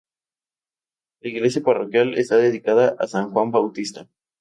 La iglesia parroquial está dedicada a San Juan Bautista.